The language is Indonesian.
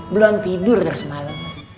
belum tidur dari semalam